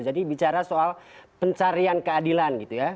jadi bicara soal pencarian keadilan gitu ya